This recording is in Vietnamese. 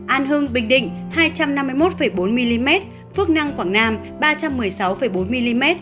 an hưng bình định hai trăm năm mươi một bốn mm phước năng quảng nam ba trăm một mươi sáu bốn mm